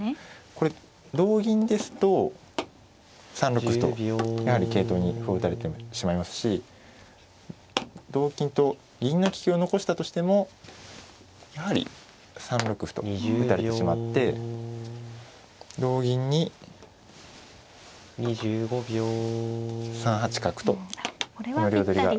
これ同銀ですと３六歩とやはり桂頭に歩を打たれてしまいますし同金と銀の利きを残したとしてもやはり３六歩と打たれてしまって同銀に３八角とこの両取りが。